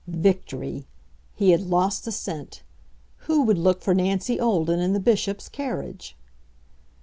Victory! He had lost the scent. Who would look for Nancy Olden in the Bishop's carriage?